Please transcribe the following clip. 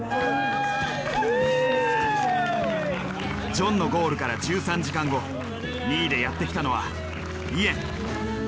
ジョンのゴールから１３時間後２位でやって来たのはイエン。